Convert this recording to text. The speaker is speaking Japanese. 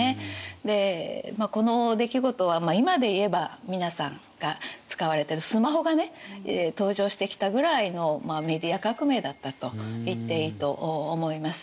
でこの出来事は今でいえば皆さんが使われてるスマホがね登場してきたぐらいのメディア革命だったと言っていいと思います。